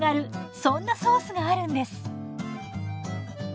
そんなソースがあるんです。